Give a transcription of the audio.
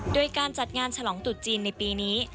โดยการจัดงานฉลองตุดจีนในปีนี้